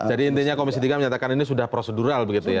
jadi intinya komisi tiga menyatakan ini sudah prosedural begitu ya